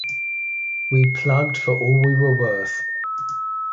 We plugged for all we were worth.